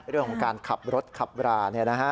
เรื่องของการขับรถขับรา